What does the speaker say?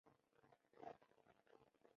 烦恼很多没意思的事情